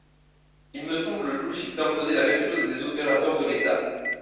Il me semble logique d’imposer la même chose à des opérateurs de l’État.